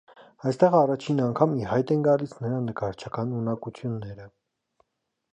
Այստեղ առաջին անգամ ի հայտ են գալիս նրա նկարչական ունակությունները։